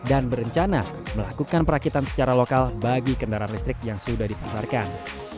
dan berencana melakukan perakitan secara lokal bagi kendaraan listrik yang sudah dipasarkan